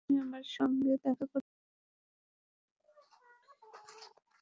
তুমি আমার সঙ্গে দেখা করতে আসবে?